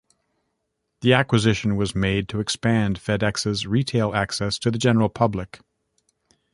The acquisition was made to expand FedEx's retail access to the general public.